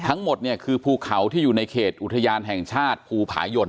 ทั้งหมดเนี่ยคือภูเขาที่อยู่ในเขตอุทยานแห่งชาติภูผายน